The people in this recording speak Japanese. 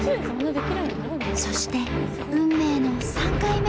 そして運命の３回目。